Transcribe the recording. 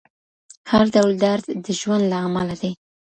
هر ډول درد د ژوند له امله دی.